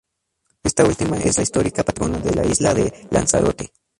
Esta última es la histórica patrona de la isla de Lanzarote.